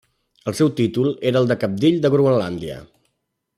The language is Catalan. El seu títol era el de cabdill de Groenlàndia.